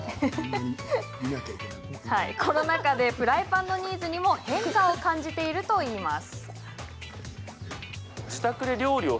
コロナ禍でフライパンのニーズにも変化を感じているといいます。